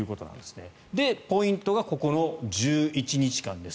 ポイントがここの１１日間です。